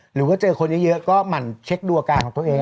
หรือว่าเจอคนเยอะก็หมั่นเช็คดูอาการของตัวเอง